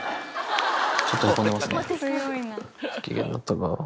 ちょっとへこんでますね。